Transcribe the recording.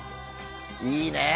いいねえ。